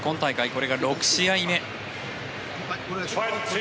これが６試合目。